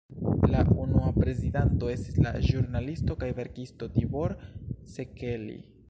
La unua prezidanto estis la ĵurnalisto kaj verkisto Tibor Sekelj.